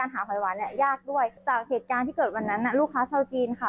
เหตุการณ์ที่เกิดวันนั้นลูกค้าชาวจีนค่ะ